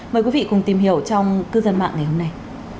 mời quý vị cùng tìm hiểu trong cư dân mạng ngày hôm nay